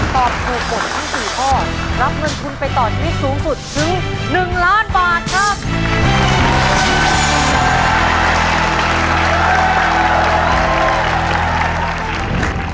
ตอบถูกหมดทั้ง๔ข้อรับเงินทุนไปต่อชีวิตสูงสุดถึง๑ล้านบาทครับ